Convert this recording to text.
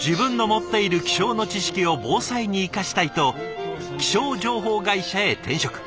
自分の持っている気象の知識を防災に生かしたいと気象情報会社へ転職。